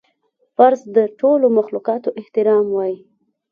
فرض د ټولو مخلوقاتو احترام وای